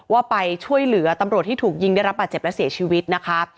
ว่าไปช่วยเหลือตำรวจที่ถูกยิงได้รับบาดเจ็บและเสียชีวิตนะคะ